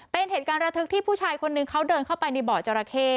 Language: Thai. เป็นเหตุการณ์ระทึกที่ผู้ชายคนนึงเขาเดินเข้าไปในบ่อจราเข้